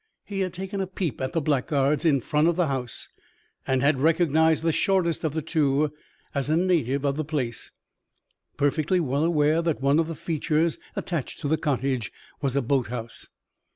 He had taken a peep at the blackguards in front of the house, and had recognized the shortest of the two as a native of the place, perfectly well aware that one of the features attached to the cottage was a boathouse.